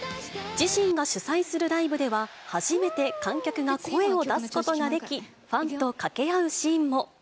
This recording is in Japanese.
自身が主催するライブでは、初めて観客が声を出すことができ、ファンと掛け合うシーンも。